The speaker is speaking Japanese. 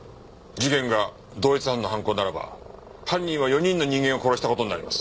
事件が同一犯の犯行ならば犯人は４人の人間を殺した事になります。